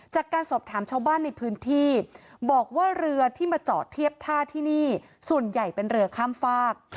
จากการสอบถามชาวบ้านในพื้นที่บอกว่าเรือที่มาจอดเทียบท่าที่นี่ส่วนใหญ่เป็นเรือข้ามฝาก